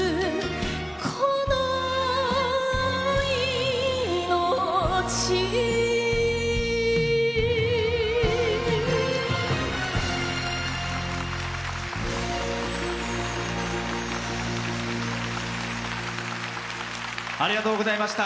この命ありがとうございました。